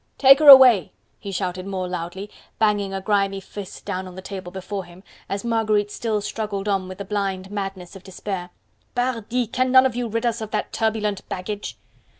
"Take her away!" he shouted more loudly, banging a grimy fist down on the table before him, as Marguerite still struggled on with the blind madness of despair. "Pardi! can none of you rid us of that turbulent baggage?"